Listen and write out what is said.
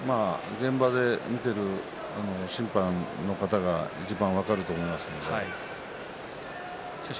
現場で見ている審判の方がいちばん分かると思いますので。